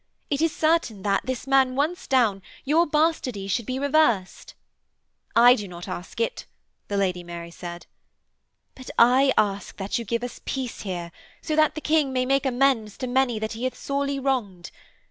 'It is certain that, this man once down, your bastardy should be reversed.' 'I do not ask it,' the Lady Mary said. 'But I ask that you give us peace here, so that the King may make amends to many that he hath sorely wronged.